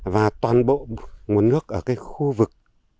và toàn bộ nguồn nước ở khu vực